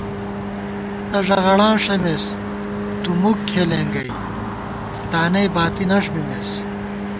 مو تہ ݫَغڑاں ݭَمېس تُومُک کھېلېنگَئ، تانئ باتِی نَݭ بِمېس